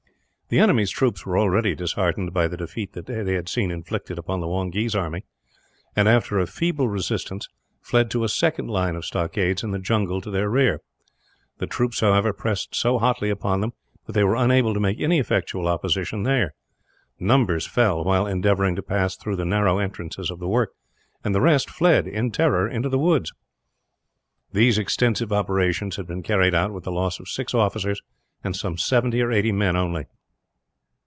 The enemy's troops were already disheartened, by the defeat they had seen inflicted upon the Wongee's army and, after a feeble resistance, fled to a second line of stockades in the jungle to their rear. The troops, however, pressed so hotly upon them that they were unable to make any effectual opposition here. Numbers fell, while endeavouring to pass through the narrow entrances of the work; and the rest fled, in terror, into the woods. These extensive operations had been carried out with the loss of six officers, and some seventy or eighty men, only.